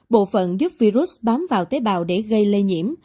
bộ phận giúp virus bám vào tế bào để gây lây nhiễm